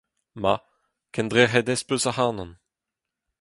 Ma, kendrec’het ez peus ac’hanon.